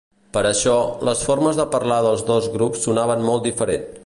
Per això, les formes de parlar dels dos grups sonaven molt diferent.